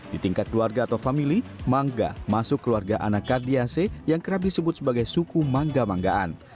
di tingkat keluarga atau famili mangga masuk keluarga anak kardiase yang kerap disebut sebagai suku mangga manggaan